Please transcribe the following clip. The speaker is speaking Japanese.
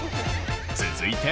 続いて。